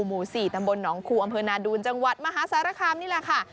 หมู่๔ตำบลหนองคูอำเภอนาดูนจังหวัดมหาสารคามนี่แหละค่ะ